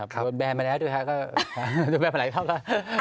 ครับโดนแบรนด์ไปแล้วดิฉันก็